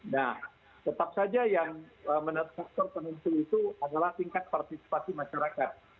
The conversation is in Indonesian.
nah tetap saja yang menetapkan penunjuk itu adalah tingkat partisipasi masyarakat